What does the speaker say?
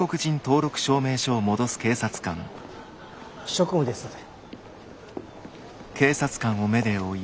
職務ですので。